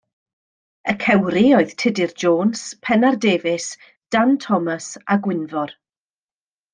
Y cewri oedd Tudur Jones, Pennar Davies, Dan Thomas a Gwynfor.